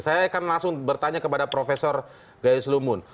saya akan langsung bertanya kepada prof gayus lumun